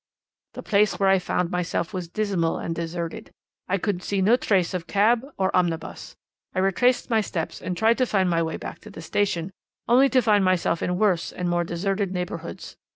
"'The place where I found myself was dismal and deserted. I could see no trace of cab or omnibus. I retraced my steps and tried to find my way back to the station, only to find myself in worse and more deserted neighbourhoods.